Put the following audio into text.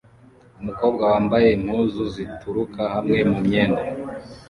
umukobwa wambaye impuzu zitukura hamwe nu mwenda